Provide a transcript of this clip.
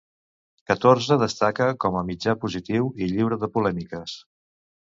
Catorze destaca com a mitjà positiu i lliure de polèmiques.